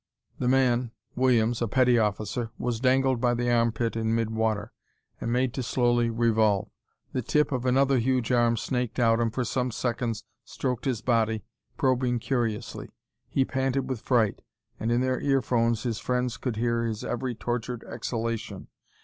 The man Williams, a petty officer was dangled by the armpit in mid water and made to slowly revolve. The tip of another huge arm snaked out and for some seconds stroked his body, probing curiously. He panted with fright, and in their earphones his friends could hear his every tortured exhalation.